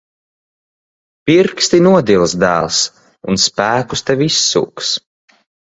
Pirksti nodils, dēls. Un spēkus tev izsūks.